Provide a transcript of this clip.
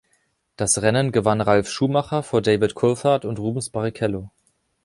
Das Rennen gewann Ralf Schumacher vor David Coulthard und Rubens Barrichello.